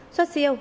xuất siêu năm năm